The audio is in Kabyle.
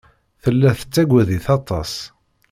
Tella tettagad-it aṭas.